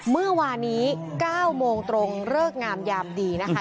เมื่อวานนี้๙โมงตรงเลิกงามยามดีนะคะ